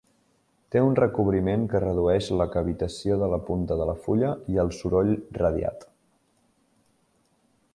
Té un recobriment que redueix la cavitació de la punta de la fulla i el soroll radiat.